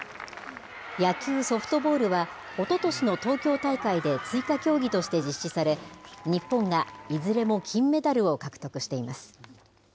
野球・ソフトボールは、おととしの東京大会で追加競技として実施され、日本がいずれも金メダルを獲得しています。